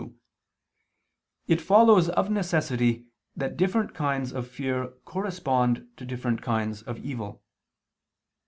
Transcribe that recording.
2), it follows of necessity that different kinds of fear correspond to different kinds of evil.